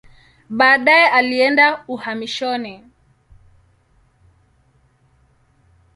Baadaye alienda uhamishoni.